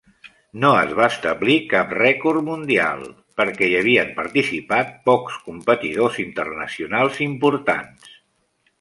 No es va establir cap rècord mundial, perquè hi havien participat pocs competidors internacionals importants.